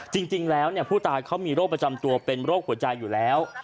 จริงแล้วผู้ตายเขามีโรคประจำตัวเป็นโรคหัวใจอยู่แล้ว